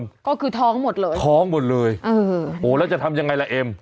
เพราะคือท้องหมดเลยท้องหมดเลยแล้วจะทำยังไงล่ะเอ็ม